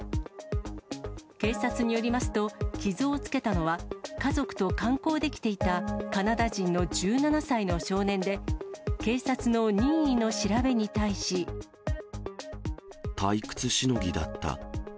警察によりますと、傷をつけたのは、家族と観光で来ていたカナダ人の１７歳の少年で、退屈しのぎだった。